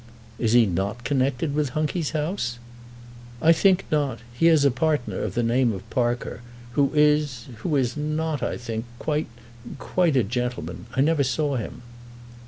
"Is he not connected with Hunky's house?" "I think not. He has a partner of the name of Parker, who is, who is not, I think, quite quite a gentleman. I never saw him."